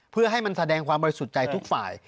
เพื่อให้มันแสดงความบริสุทธิ์ใจทุกฝ่าย